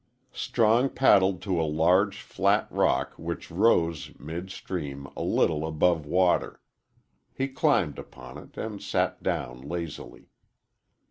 Strong paddled to a large, flat rock which rose, mid stream, a little above water. He climbed upon it and sat down lazily.